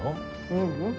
ううん。